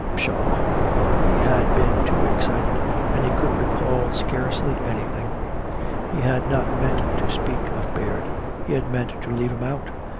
Pshaw! He had been too excited, and he could recall scarcely anything. He had not meant to speak of Baird he had meant to leave him out!